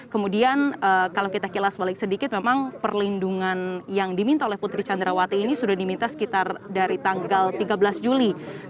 kemudian kalau kita kilas balik sedikit memang perlindungan yang diminta oleh putri candrawati ini sudah diminta sekitar dari tanggal tiga belas juli